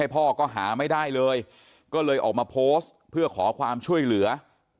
พ่อก็หาไม่ได้เลยก็เลยออกมาโพสต์เพื่อขอความช่วยเหลือ